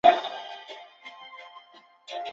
丛花山矾为山矾科山矾属下的一个种。